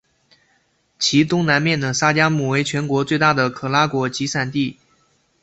其东南面的沙加穆为全国最大的可拉果集散地。